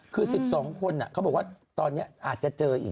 คือ๑๒คนเขาบอกว่าตอนนี้อาจจะเจออีก